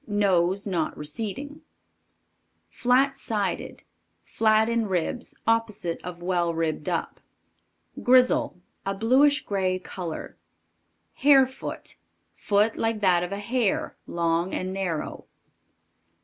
Nose not receding. Flat sided. Flat in ribs; opposite of well ribbed up. Grizzle. A bluish gray color. Hare foot. Foot like that of a hare, long and narrow.